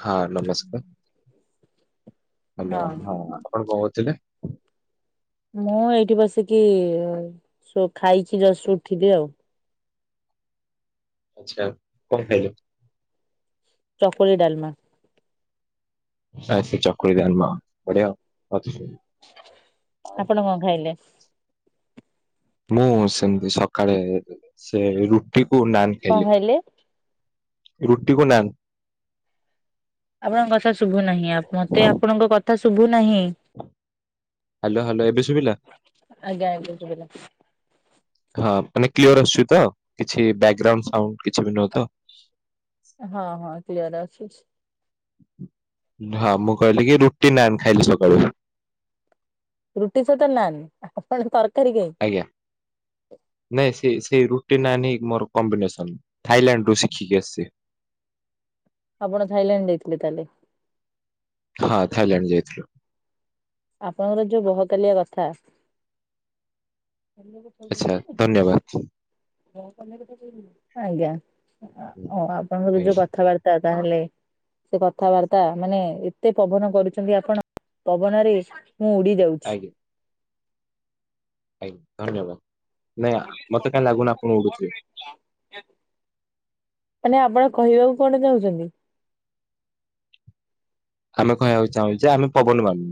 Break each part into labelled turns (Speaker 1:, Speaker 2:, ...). Speaker 1: ହଁ ନମସ୍କାର ହା ଲୋ ହଁ ଆପଣ କଣ କହୁଥିଲେ।
Speaker 2: ମୁଁ ଏଇଠି ବସିକି ସୋ-ଖାଇଛି ଜଷ୍ଟ ଉଠିଲି ଆଉ।
Speaker 1: ଆଚ୍ଛା କଣ ଖାଇଲେ।
Speaker 2: ଚକଳି ଡାଲମା।
Speaker 1: ଆ ସେ ଚକୁଳି ଡାଲମା ବଢିଆ।
Speaker 2: ଆପଣ କଣ ଖାଇଲେ।
Speaker 1: ମୁଁ ସେମିତି ସକାଳେ ସେ ରୁଟି କୁ ନାନ୍
Speaker 2: କଣ
Speaker 1: ଖାଇଲି।
Speaker 2: ଖାଇଲେ?
Speaker 1: ରୁଟିକୁ ନାନ୍।
Speaker 2: ଆପଣଙ୍କ କଥା ଶୁଭୁ ନାହିଁ, ମତେ ଆପଣଙ୍କ କଥା ଶୁଭୁ ନାହିଁ।
Speaker 1: ହାଲୋ ହାଲୋ ଏବେ ଶୁଭିଲା।
Speaker 2: ଆଜ୍ଞା ଆଜ୍ଞା ଶୁଭିଲା।
Speaker 1: ହଁ ମାନେ କ୍ଲିୟର ଆସୁଛି ତ କିଛି ବ୍ୟାଗଗ୍ରାଉଣ୍ଡ ସାଉଣ୍ଡ କିଛିବି ନୁହଁ ତ।
Speaker 2: ହଁ ହଁ କ୍ଲିୟର ଅଛି।
Speaker 1: ହଁ ମୁଁ କହିଲି କି ରୁଟି ନାନ୍ ଖାଇଲି ସକାଳୁ।
Speaker 2: ରୁଟି ସହିତ ନାନ୍ ଆପଣ ତରକାରୀ କାହିଁ।
Speaker 1: ଆଜ୍ଞା। ନାଇଁ ସେ ସେଇ ରୁଟି ନାନ୍ ମୋର କମ୍ବିନେସନ ଥାଇଲାଣ୍ଡ ରୁ ଶିଖିକି ଆସିଛି।
Speaker 2: ଆପଣ ଥାଇଲାଣ୍ଡ ଜାଇ ଥିଲେ ତାହେଲେ।
Speaker 1: ହଁ ଥାଇଲାଣ୍ଡ ଯାଇଥିଲୁ।
Speaker 2: ଆପଣଙ୍କର ଯୋଉ ବହକାଲିଆ କଥା। [inaudible]
Speaker 1: ଆଚ୍ଛା ଧନ୍ୟବାଦ।
Speaker 2: ଆଜ୍ଞା ଅ
Speaker 1: ହୁଁ,
Speaker 2: ଆ ଆପଣଙ୍କର ଯୋଉ
Speaker 1: ଆଜ୍ଞା
Speaker 2: କଥାବାର୍ତ୍ତା
Speaker 1: ହଁ
Speaker 2: ତାହେଲେ ସେ କଥାବାର୍ତ୍ତା ମାନେ ଏତେ ପବନ କରୁଛନ୍ତି ଆପଣ ପବନ ରେ ମୁଁ ଉଡି ଯାଉଛି।
Speaker 1: ଆଜ୍ଞ। ଆଜ୍ଞା ଧନ୍ୟବାଦ ନାଇଁ ମତେ କାହିଁ ଲାଗୁନ ଆପଣ ଉଡୁଥିବେ।
Speaker 2: ମାନେ ଆପଣ କହିବାକୁ କଣ ଚାହୁଁଛନ୍ତି?
Speaker 1: ଆମେ କହିବାକୁ ଚାହୁଁଛ ଯେ ଆମେ ପବନ ମାନୁ।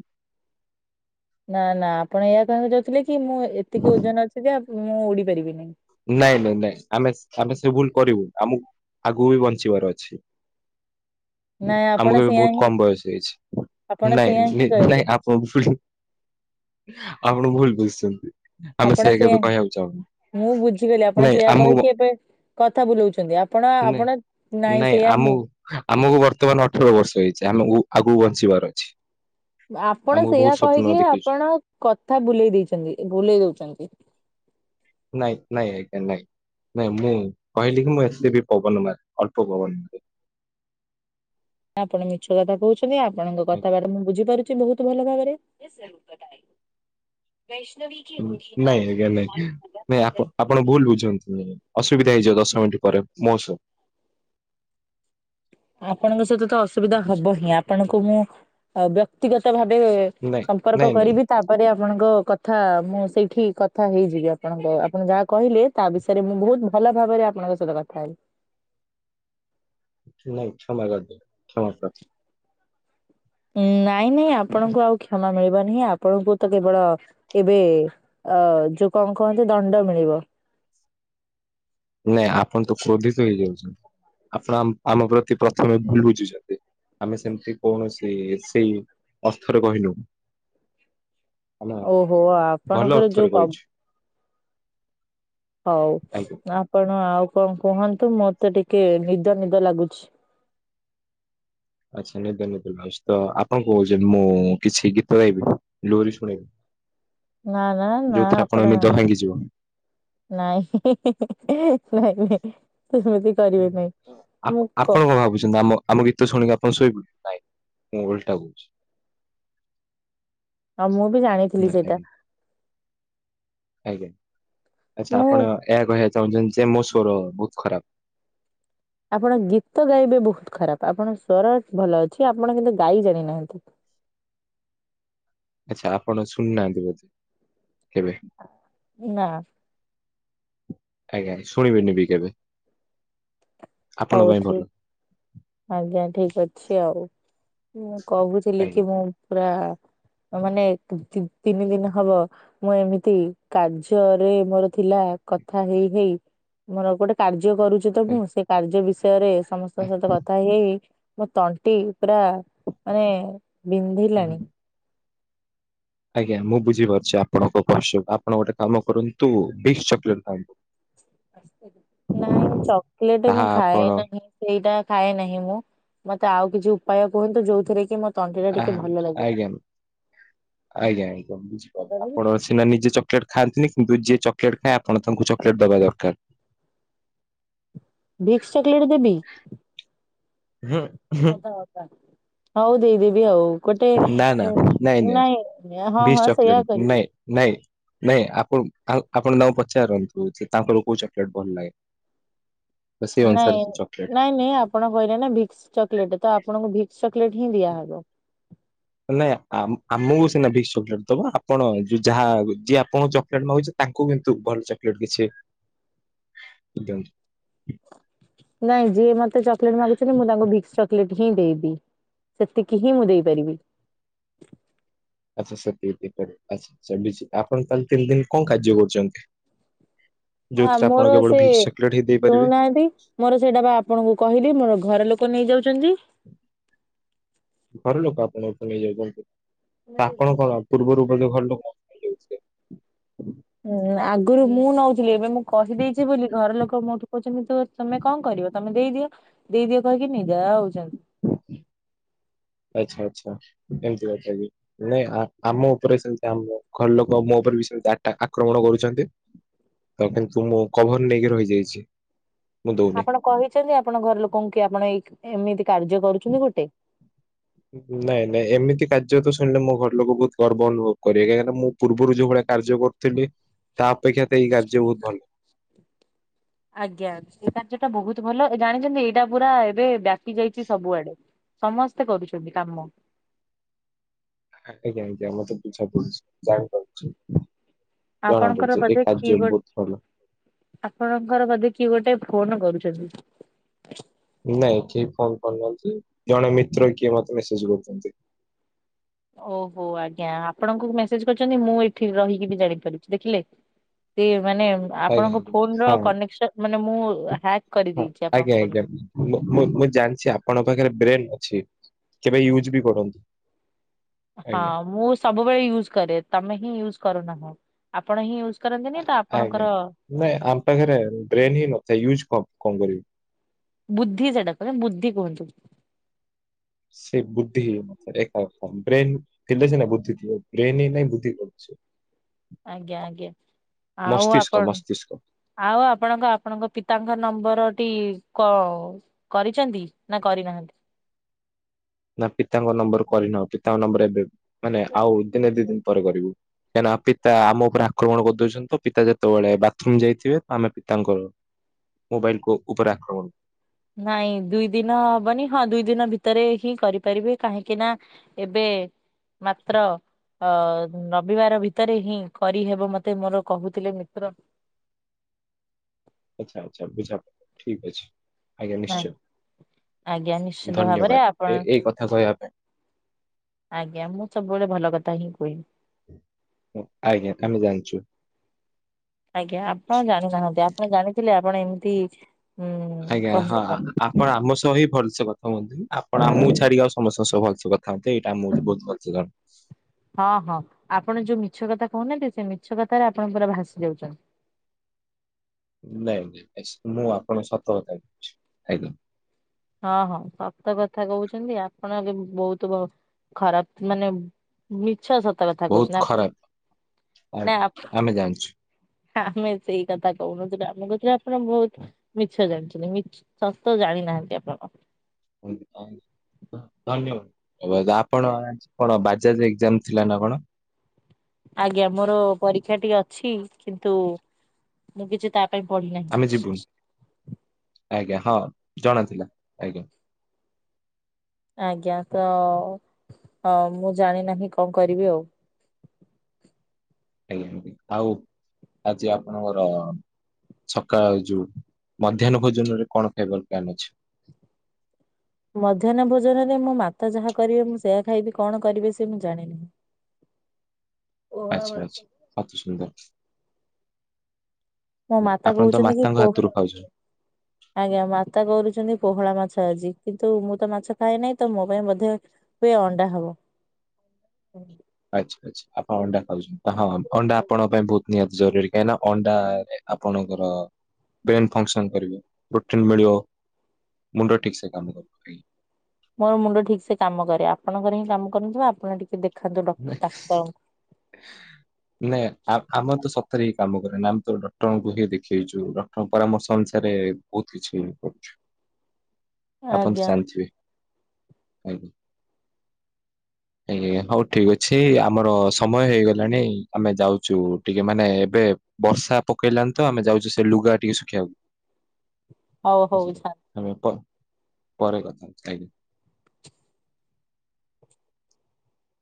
Speaker 2: ନା ନା ଆପଣ ଏୟା କହିବାକୁ ଚାହୁଁଥିଲେ କି ମୁଁ ଏତିକି ଓଜନ ଅଛି ଯେ ମୁଁ ଉଡି ପାରିବିିନି।
Speaker 1: ନାଇଁ ନାଇଁ ନାଇଁ ଆମେ ଆମେ ସେ ଭୁଲ କରିବୁ ଆମକୁ ଆଗକୁ ବି ବଞ୍ଚିବାର ଅଛି।
Speaker 2: ନାଇଁ ଆପଣ
Speaker 1: ଆମକୁ ଏବେ
Speaker 2: ସେଇୟା
Speaker 1: ବହୁତ
Speaker 2: ହିଁ
Speaker 1: କମ ବୟସ ହେଇଛି
Speaker 2: ଆପଣ ସେଇୟା
Speaker 1: ନାଇଁ
Speaker 2: ହିଁ
Speaker 1: ନଁ
Speaker 2: କହିଲେ
Speaker 1: ଆପ [unintelligible] ଆପଣ ଭୁଲ ବୁଝୁଛନ୍ତି ଆମେ
Speaker 2: ଆପଣ
Speaker 1: ସେଇଆ
Speaker 2: ସେଇୟା
Speaker 1: କେବେ କହିବାକୁ ଚାହୁଁନୁ।
Speaker 2: ମୁଁ ବୁଝିଗଲି ଆପଣ
Speaker 1: ନାଇଁ
Speaker 2: ସେଇଆ
Speaker 1: ଆମକୁ ବ-
Speaker 2: କହିକି ଏବେ କଥା ବୁଲଉଛନ୍ତି ଆପଣ
Speaker 1: ନାଇଁ
Speaker 2: ଆପଣ ନାଇଁ ସେଇୟା ହିଁ
Speaker 1: ଆମକୁ ବର୍ତ୍ତମାନ ଅଠର ବର୍ଷ ହେଇଛି ଆମକୁ ଆଗକୁ ବଞ୍ଚିବାର ଅଛି।
Speaker 2: ଆପଣ
Speaker 1: ଆମକୁ
Speaker 2: ସେଇଆ
Speaker 1: ବହୁତ ସ୍ୱପ୍ନ
Speaker 2: କହିକି
Speaker 1: ଦେଖିଛୁ
Speaker 2: ଆପଣ କଥା ବୁଲେଇ ଦେଇଛନ୍ତି। ଭୁଲେଇ ଦଉଛନ୍ତି।
Speaker 1: ନାଇଁ ନାଇଁ ଆଜ୍ଞା ନାଇଁ, ନାଇଁ ମୁଁ କହିଲି କି ମୁଁ ଏତେ ବି ପବନ ମାରେ ଅଳ୍ପ ପବନ ମାରେ।
Speaker 2: ଆପଣ ମିଛ କଥା କହୁଛନ୍ତି ଆପଣଙ୍କ କଥା ବାଟା ମୁଁ ବୁଝିପାରୁଛି ବହୁତ ଭଲ ଭାବରେ।
Speaker 1: ନାଇଁ ଆଜ୍ଞା ନାଇଁ। ନାଇଁ ଆପଣ
Speaker 2: [inaudible]
Speaker 1: ଆପଣ ଭୁଲ ବୁଝୁଛନ୍ତି ଅସୁବିଧା ହେଇଯିବ ଦଶ ମିନିଟ ପରେ ମୋ ସହ।
Speaker 2: ଆପଣ ଙ୍କ ସହିତ ତ ଅସୁବିଧା ହବ ହିଁ ଆପଣଙ୍କୁ ମୁଁ ବ୍ୟକ୍ତିଗତ ଭାବେ
Speaker 1: ନାଇଁ
Speaker 2: ସମ୍ପର୍କ
Speaker 1: ନାଇଁ ନାଇଁ
Speaker 2: କରିବି ତା ପରେ ଆପଣଙ୍କ କଥା ମୁଁ ସେଇଠି କଥା ହେଇଯିବି ଆପଣଙ୍କ ଆପଣ ଯାହା କହିଲେ ତା ବିଷୟରେ ମୁଁ ବହୁତ ଭଲ ଭାବରେ ଆପଣଙ୍କ ସହିତ କଥା ହେବି।
Speaker 1: ନାଇ କ୍ଷମା କରିଦେବେ କ୍ଷମା କର।
Speaker 2: ନାଇଁ ନାଇଁ ଆପଣଙ୍କୁ ଆଉ କ୍ଷମା ମିଳିବ ନାହିଁ ଆପଣଙ୍କୁ ତ କେବଳ ଏବେ ଅ ଯୋଉ କଣ କୁହନ୍ତି ଦଣ୍ଡ ମିଳିବ।
Speaker 1: ନାଇଁ ଆପଣ ତ କ୍ରୋଧିତ ହେଇଯାଉଛନ୍ତି ଆପଣ ଆମ ଆମ ପ୍ରତି ପ୍ରଥମେ ଭୁଲ ବୁଝୁଛନ୍ତି। ଆମେ ସେମିତି କୌଣସି ସେଇ ଅର୍ଥରେ କହିନୁ। ଆମେ
Speaker 2: ଓହୋ
Speaker 1: ଭଲ
Speaker 2: ଆପଣଙ୍କର
Speaker 1: ଅର୍ଥରେ
Speaker 2: ଯୋଉ ପ
Speaker 1: କହିଛୁ
Speaker 2: ହଉ
Speaker 1: ଆଜ୍ଞା।
Speaker 2: ଆପଣ ଆଉ କଣ କୁହନ୍ତୁ ମତେ ଟିକେ ନିଦ ନିଦ ଲାଗୁଛି।
Speaker 1: ଆଚ୍ଛା ନିଦନିଦ ଲାଗୁଛି ତ ଆପଣ କହୁଛନ୍ତି ମୁଁ କିଛି ଗୀତ ଗାଇବି? ଲୋରି
Speaker 2: ନା ନା
Speaker 1: ଶୁଣେଇବି
Speaker 2: ନା
Speaker 1: ଯୋଉଥିରେ ଆପଣ ନିଦ ଭାଙ୍ଗିଯିବ?
Speaker 2: ନାଇଁ ଇ ଇ ଇ [unintelligible] ତ
Speaker 1: ଆପ ଆପଣ କଣ ଭାବୁଛନ୍ତି ଆମ ଆମ ଗୀତ ଶୁଣିକି ଆପଣ ଶୋଇ ପଡିବେ ନାଇଁ ମୁଁ ଓଲଟା କହୁଛି।
Speaker 2: ଆଉ ମୁଁ ବି ଜାଣିଥିଲି
Speaker 1: ନାଇଁ
Speaker 2: ସେଇଟା।
Speaker 1: ଆଜ୍ଞା ଆଜ୍ଞା ଆଚ୍ଛା
Speaker 2: ମୁଁ
Speaker 1: ଆପଣ ଏହା କହିବାକୁ ଚାହୁଁଛନ୍ତି ଯେ ମୋ ସ୍ଵର ବହୁତ ଖରାପ?
Speaker 2: ଆପଣ ଗୀତ ଗାଇବେ ବହୁତ ଖରାପ ଆପଣଙ୍କ ସ୍ଵର ଭଲ ଅଛି ଆପଣ କିନ୍ତୁ ଗାଇ ଜାଣିନାହାନ୍ତି।
Speaker 1: ଆଚ୍ଛା ଆପଣ ଶୁଣିନାହାନ୍ତି ବୋଧେ କେବେ?
Speaker 2: ନା।
Speaker 1: ଆଜ୍ଞା ଶୁଣିବେନି ବି କେବେ? ଆପଣଙ୍କ
Speaker 2: ହଉ
Speaker 1: ପାଇଁ ଭଲ
Speaker 2: ଠିକ ଆଜ୍ଞା ଠିକ ଅଛି ଆଉ ମୁଁ କହୁଛି ଥିକି
Speaker 1: ଆଜ୍ଞା।
Speaker 2: ମୁଁ ପୁରା ମାନେ ତିନି ଦିନ ହବ ମୁଁ ଏମିତି କାର୍ଯ୍ୟରେ ମୋର ଥିଲା କଥା ହେଇ ହେଇ ମୋର ଗୋଟେ କାର୍ଯ୍ୟ କରୁଛି ତ ମୁଁ ସେ ନିଜ ବିଷୟରେ ସମସ୍ତ ଙ୍କ ସହିତ କଥା ହେଇ ହେଇ ମୋ ତଣ୍ଟି ପୁରା ମାନେ ବିନ୍ଧିଲାଣି।
Speaker 1: ଆଜ୍ଞା ମୁଁ ବୁଝିପାରୁଛି ଆପଣଙ୍କ କଷ୍ଟ କୁ ଆପଣ ଗୋଟେ କାମ କରନ୍ତୁ ଭିକ୍ସି ଚକୋଲେଟ ଖାଆନ୍ତୁ।
Speaker 2: ନାଇଁ ଚକୋଲେଟ୍ ମୁଁ
Speaker 1: ତାହା ଆପଣ
Speaker 2: ଖାଏ ନାହିଁ। ସେଇଟା ଖାଏ ନାହିଁ ମୁଁ ମତେ ଆଉ କିଛି ଉପାୟ କୁହନ୍ତୁ ଯୋଉଥିରେ କି ମତେ
Speaker 1: ଆ ଆଜ୍ଞା ଆଜ୍ଞା ଆଜ୍ଞା ବୁଝିପାରିଲି ଆପଣ କି ନିଜେ ଚକଲେଟ୍ ଖାଆନ୍ତିନି କିନ୍ତୁ ଯିଏ ଚକୋଲେଟ୍ ଖାଏ ଆପଣ ତାଙ୍କୁ ଚକୋଲେଟ୍ ଦବା ଦରକାର।
Speaker 2: ଭିସ୍କି ଚକୋଲେଟ୍ ଦେବି?
Speaker 1: ଉଁ ହୁଁ।
Speaker 2: ହଉ ଦେଇଦେବି ଆଉ। ଗୋଟେ
Speaker 1: ନା ନା ନାଇଁ
Speaker 2: ନାଇଁ ହଁ
Speaker 1: ବିସ୍
Speaker 2: ହଁ
Speaker 1: ଚକୋଲେଟ
Speaker 2: ସେଇୟା କରିବି।
Speaker 1: ନାଇଁ ନାଇଁ ନାଇଁ ଆପଣ ଆପଣ ତାଙ୍କୁ ପଚାରନ୍ତୁ ଯେ ତାଙ୍କର କୋଉ ଚକୋଲେଟ୍ ଭଲ ଲାଗେ। ତ ସେଇ ଅନୁସାରେ
Speaker 2: ନାଇଁ
Speaker 1: ସେ ଚକୋଲେଟ
Speaker 2: ନାଇଁ ନାଇଁ ଆ ଆପଣ କହିଲେ ନା ଭିକ୍ସ ଚକୋଲେଟ୍ ତ ଆପଣଙ୍କୁ ଭିକ୍ସ ଚକୋଲେଟ୍ ହିଁ ଦିଆହବ।
Speaker 1: ନାଇଁ ଆମକୁ ସିନା ଭିକ୍ସ ଚକୋଲେଟ୍ ଦବ ଆପଣ ଯାହା ଯିଏ ଆପଣଙ୍କୁ ଚକୋଲେଟ୍ ମାଗୁଛି ତାଙ୍କୁ କିନ୍ତୁ ଭଲ ଚକୋଲେଟ୍ କିଛି
Speaker 2: [inaudible]
Speaker 1: ଏକଦମ।
Speaker 2: ନାଇଁ ଯିଏ ମତେ ଚକୋଲେଟ୍ ମାଗୁଛନ୍ତି ମୁଁ ତାଙ୍କୁ ଭିକ୍ସ ଚକୋଲେଟ୍ କି ଦେଇବି ସେତିକି ହିଁ ମୁଁ ଦେଇପାରିବି।
Speaker 1: ଆଚ୍ଛା ସେତି ଆଛା ଆଛା ଆପଣ ତାନେ ତିନି ଦିନ କଣ କାର୍ଯ୍ୟ କରିଛନ୍ତି।
Speaker 2: ଆ ମୋର ସେ
Speaker 1: ଭିକ୍ସ ଚକୋଲେଟ ହିଁ ଦେଇପାରିବେ
Speaker 2: ଶୁଣୁନାହାନ୍ତି! ମୋର ସେଇଟା ବା ଆପଣଙ୍କୁ କହିଲି ମୋର ଘର ଲୋକ ନେଇଯାଉଛନ୍ତି।
Speaker 1: ଘର ଲୋକ ଆପଣ ଠୁ ନେଇଯାଉଛନ୍ତି ଆପଣ କଣ ପୂର୍ବରୁ ମଧ୍ୟ ଘରଲୋକ
Speaker 2: ହୁଁ ଆଗରୁ ମୁଁ ନଉଥିଲି ଏବେ ମୁଁ କହିଦେଇଛି ବୋଲି ଘର ଲୋକ ମୋଠୁ କହୁଛନ୍ତି ତ ତମେ କଣ କରିବ। ତମେ ଦେଇଦିଅ ଦେଇଦିଅ କହିକି ନେଇଯାଉଛନ୍ତି।
Speaker 1: ଆଚ୍ଛା ଆଚ୍ଛା କେମତି ଅଛନ୍ତି? ନାଇଁ ଆମ ଉପରେ ସେମିତି ଆମ ଘର ଲୋକ ମୋ ଉପରେ ବି ସେମିତି ଆଟକ୍ ଆକ୍ରମଣ କରୁଛନ୍ତି। ରବୀନସ କୁ ମୁଁ କଭର ନେଇକି ରହିଯାଇଛି। ମୁଁ ଦଉନି।
Speaker 2: ଆପଣ କହିଛନ୍ତି ଆପଣ ଘର ଲୋକଙ୍କୁ କି ଆପଣ ଏଇ ଏମିତି କାର୍ଯ୍ୟ କରୁଛନ୍ତି ଗୋଟେ।
Speaker 1: ନାଇଁ ନାଇଁ ଏମିତି କାର୍ଯ୍ୟ ତ ଶୁଣିଲେ ମୋ ଘର ଲୋକ ବହୁତ ଗର୍ବ ଅନୁଭବ କରିବେ କାହିଁକିନା ମୁଁ ପୂର୍ବରୁ ଯୋଉ ଭଳିଆ କାର୍ଯ୍ୟ କରୁ ଥିଲି ତା ଅପେକ୍ଷା ତ ଏଇ କାର୍ଯ୍ୟ ବହୁତ ଭଲ।
Speaker 2: ଆଜ୍ଞା ଏ କାର୍ଯ୍ୟଟା ବହୁତ ଭଲ ଏ ଜାଣିଛନ୍ତି ଏଇଟା ପୁରା ଏବେ ବ୍ୟାପି ଯାଇଛି ସବୁଆଡେ। ସମସ୍ତେ କରୁଛନ୍ତି କାମ।
Speaker 1: ଆଜ୍ଞା ଆଜ୍ଞା ମତେ ବୁଝା ପଡୁଛି ଜାଣିପାରୁଛି।
Speaker 2: ଆପଣଙ୍କର
Speaker 1: ଜଣାପଡ଼ୁଛି ଏ
Speaker 2: ବୋଧେ କିଏ
Speaker 1: କାର୍ଯ୍ୟ
Speaker 2: ଗୋ
Speaker 1: ବହୁତ୍ ଭଲ।
Speaker 2: ଆପଣଙ୍କର ବୋଧେ କିଏ ଗୋଟେ ଫୋନ କରୁଛନ୍ତି।
Speaker 1: ନାଇଁ କେହି ଫୋନ କରୁନାହାନ୍ତି ଜଣେ ମିତ୍ର କିଏ ମତେ ମେସେଜ କରୁଛନ୍ତି।
Speaker 2: ଓହୋ ଆଜ୍ଞା ଆପଣଙ୍କୁ ମେସେଜ କରିଛନ୍ତି ମୁଁ ଏଠି ରହିକି ବି ଜାଣିପାରୁଛି ଦେଖିଲେ। ସେ ମାନେ
Speaker 1: ଆଜ୍ଞା
Speaker 2: ଆପଣଙ୍କ
Speaker 1: ଆଜ୍ଞା।
Speaker 2: ଫୋନ ର
Speaker 1: ହଁ
Speaker 2: କନେକ୍ସନ ମାନେ ମୁଁ ହ୍ୟାକ୍
Speaker 1: ହଁ
Speaker 2: କରିଦେଇଛି ଆପଣଙ୍କ
Speaker 1: ଆଜ୍ଞା ଆଜ୍ଞା
Speaker 2: ଫୋନକୁ।
Speaker 1: ମୁଁ ମୁଁ ଜାଣିଛି ଆପଣଙ୍କ ପାଖରେ ବ୍ରେନ ଅଛି କେବେ ୟୁଜ୍ ବି କରନ୍ତୁ।
Speaker 2: ହଁ
Speaker 1: ଆଜ୍ଞା
Speaker 2: ମୁଁ ସବୁବେଳେ ୟୁଜ୍ କରେ ତମେ ହିଁ ୟୁଜ୍ କରୁନାହ ଆପଣ ହିଁ ୟୁଜ କରନ୍ତିନି ତ
Speaker 1: ଆଜ୍ଞା
Speaker 2: ଆପଣଙ୍କର
Speaker 1: ନାଇଁ ଆମ ପାଖରେ ବ୍ରେନ ହିଁ ନଥାଏ ୟୁଜ କ କଣ କରିବୁ।
Speaker 2: ବୁଦ୍ଧି ସେଟା ପରା ବୁଦ୍ଧି କୁହନ୍ତୁ।
Speaker 1: ସେ ବୁଦ୍ଧି ଏକ ରକମ ବ୍ରେନ୍। ଏବେ ସିନା ବୁଦ୍ଧି ଲଗେଇ ବ୍ରେନ ନାଇ ବୁଦ୍ଧି କୁଆଡେ ଆସିବ।
Speaker 2: ଆଜ୍ଞା ଆଜ୍ଞା ଆଉ
Speaker 1: ମସ୍ତିଷ୍କ
Speaker 2: ଆପଣ
Speaker 1: ମସ୍ତିଷ୍କ
Speaker 2: ଆଉ ଆପଣଙ୍କ ଆପଣଙ୍କ ପିତାଙ୍କ ନମ୍ବରଟି କ କରିଛନ୍ତି ନା କରିନାହାନ୍ତି?
Speaker 1: ନା ପିତାଙ୍କ ନମ୍ବର କରିନୁ ପିତାଙ୍କ ନମ୍ବର ଏବେ ମାନେ ଆଉ ଦିନେ କି ଦିନେ ପରେ କରିବୁ। କାହିଁକିନା ପିତା ଆମ ଉପରେ ଆକ୍ରମଣ କରିଦେଉଛନ୍ତି ତ ପିତା ଯେତେବେଳେ ବାଥରୁମ ଯାଇଥିବେ ଆମେ ପିତାଙ୍କର ମୋବାଇଲକୁ ଉପରା ଆକ୍ରମଣ
Speaker 2: ନାଇଁ ଦୁଇ ଦିନ ହବନି ହଁ ଦୁଇ ଦିନ ଭିତରେ ହିଁ କରିପାରିବି କାହିଁକି ନା ଏବେ ମାତ୍ର ଅ ରବିବାର ଭିତରେ ହିଁ କରିହେବ ମତେ ମୋର କହୁଥିଲେ ମିତ୍ର।
Speaker 1: ଆଚ୍ଛା ଆଚ୍ଛା ବୁଝା ଠିକ ଅଛି। ଆଜ୍ଞା
Speaker 2: ନାଇଁ
Speaker 1: ନିଶ୍ଚୟ
Speaker 2: ଆଜ୍ଞା ନିଶ୍ଚିନ୍ତ ଭାବରେ
Speaker 1: ଧନ୍ୟବାଦ
Speaker 2: ଆପଣ
Speaker 1: ଏ ଏଇ କଥା କହିବା ପାଇଁ।
Speaker 2: ଆଜ୍ଞା ମୁଁ ସବୁବେଳେ ଭଲ କଥା ହିଁ କୁହେ।
Speaker 1: ଆଜ୍ଞା ଆମେ ଜାଣିଛୁ।
Speaker 2: ଆଜ୍ଞା ଆପଣ ଜାଣିନାହାନ୍ତି ଆପଣ ଜାଣିଥିଲେ ଆପଣ ଏମତି
Speaker 1: ଆଜ୍ଞା ହଁ ଆ ଆପଣ ଆମ ସହ ହିଁ ଭଲସେ କଥା ହୁଅନ୍ତିନି ଆପଣ ଆମକୁ ଛାଡିକି ଆଉ ସମସ୍ତଙ୍କ ସହ ଭଲସେ କଥା ହୁଅନ୍ତି ଏଇଟା ଆମକୁ ବହୁତ ଭଲସେ ଜଣା।
Speaker 2: ହଁ ହଁ ଆପଣ ଯୋଉ ମିଛ କଥା କହୁନାହାନ୍ତି। ସେ ମିଛ କଥାରେ ଆପଣ ପୁରା ଭାସି ଯାଉଛନ୍ତି।
Speaker 1: ନାଇଁ ନାଇଁ ମୁଁ ଆପଣ ସତ କଥା କହୁଛି। ଆଜ୍ଞା।
Speaker 2: ହଁ ହଁ ସତ କଥା କହୁଛନ୍ତି। ଆପଣ ଏବେ ବହୁତ ବ ଖରାପ ମାନେ ମିଛ ସ ମିଛ କଥା
Speaker 1: ବହୁତ
Speaker 2: କହୁଛନ୍ତି ଆପଣ।
Speaker 1: ଖରାପ
Speaker 2: ନା
Speaker 1: ଆଜ୍ଞା।
Speaker 2: ଆପ
Speaker 1: ଆମେ ଜାଣିଛୁ
Speaker 2: ଆମେ ସେଇ କଥା କହୁନଥିଲୁ। ଆମ କରେ ଆପଣ ବହୁତ ମିଛ ଜାଣିଛନ୍ତି ମିଛ ସତ ଜାଣିନାହାନ୍ତି ଆପଣ।
Speaker 1: [unintelligible] ଧନ୍ୟ। [inaudible] ଆପଣ କଣ ବାଜାଜ ଏକ୍ଜାମ ଥିଲା ନା କଣ?
Speaker 2: ଆଜ୍ଞା। ମୋର ପରୀକ୍ଷାଟିି ଅଛି। କିନ୍ତୁ ମୁଁ କିଛି ତା ପାଇଁ ପଢିନାହିଁ।
Speaker 1: ଆମେ ଯିବୁନି। ଆଜ୍ଞା ହଁ ଜଣାଥିଲା। ଆଜ୍ଞା।
Speaker 2: ଆଜ୍ଞା। ତ ମୁଁ ଜାଣି ନାହିଁ କଣ କରିବି ଆଉ।
Speaker 1: ଆଜ୍ଞା। ଆଉ ଆଜି ଆପଣଙ୍କର ସକାଳ ଯୋଉ ମଧ୍ୟାହ୍ନ ଭୋଜନରେ କଣ ଖାଇବାର ପ୍ଲାନ୍ ଅଛି?
Speaker 2: ମଧ୍ୟାହ୍ନ ଭୋଜନରେ ମୋ ମାତା ଯାହା କରିବେ, ମୁଁ ସେୟା ଖାଇବି। କଣ କରିବେ ସେ ମୁଁ ଜାଣିନି? [unintelligible] ପୋହଳା
Speaker 1: ଆଚ୍ଛା
Speaker 2: ମାଛ।
Speaker 1: ଆଚ୍ଛା ଅତି ସୁନ୍ଦର।
Speaker 2: ମୋ ମାତା
Speaker 1: ଆପଣ ତ
Speaker 2: କହୁଛନ୍ତି କି
Speaker 1: ମାତାଙ୍କ
Speaker 2: [inaudible]
Speaker 1: ହାତରୁ ଖାଉଛନ୍ତି।
Speaker 2: ଆଜ୍ଞା ମାତା କରୁଛନ୍ତି ପୋହଳା ମାଛ ଆଜି। କିନ୍ତୁ ମୁଁ ତ ମାଛ ଖାଏ ନାହିଁ। ତ ମୋ ପାଇଁ ବୋଧେ ହୁଏ ଅଣ୍ଡା ହବ।
Speaker 1: ଆଚ୍ଛା ଆଚ୍ଛା। ଆପଣ ଅଣ୍ଡା ଖାଉଛନ୍ତି। ହଁ ଅଣ୍ଡା ଆପଣଙ୍କ ପାଇଁ ବହୁତ ନିହାତି ଜରୁରୀ କାହିଁକି ନା ଅଣ୍ଡାରେ ଆପଣଙ୍କର ବ୍ରେନ ଫଙ୍କସନ କରିବ ପ୍ରୋଟିନ ମିଳିବ ମୁଣ୍ଡ ଠିକ୍ ସେ କାମ କରିବ।
Speaker 2: ମୋର ମୁଣ୍ଡ ଠିକ୍ ସେ କାମ କରେ। ଆପଣଙ୍କର ହିଁ କାମ କରୁନଥିବ। ଆପଣ ଟିକେ ଦେଖ
Speaker 1: [unintelligible] ନାଇଁ ଆଁ ଆମେ ତ ସତରେ ହିଁ କାମ କରେନା। ଆମେ ତ ଡକ୍ଟରଙ୍କୁ ହିଁ ଦେଖେଇଛୁ ଡଟ ପରାମର୍ଶ ଅନୁସାରେ ବହୁତ କିଛି ଇଏ କରୁଛୁ।
Speaker 2: [unintelligible]
Speaker 1: ଆପଣ ତ ଜାଣିଥିବେ ଆଜ୍ଞା। ଆଜ୍ଞା ଆଜ୍ଞା ହଉ ଠିକ୍ ଅଛି ଆମର ସମୟ ହେଇଗଲାଣି। ଆମେ ଯାଉଛୁ ଟିକେ ମାନେ ଏବେ ବର୍ଷା ପକେଇଲାଣି ତ। ଆମେ ଯାଉଛୁ ସେ ଲୁଗା ଟିକେ ଶୁଖେଇବାକୁ
Speaker 2: [unintelligible] ହଉ ହଉ
Speaker 1: ନିଶ୍ଚିତ
Speaker 2: ଛା
Speaker 1: ଆମେ ପରେ ପରେ କଥା ହବା। ଆଜ୍ଞା।